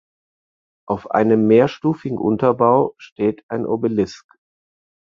Auf einem mehrstufigen Unterbau steht ein Obelisk.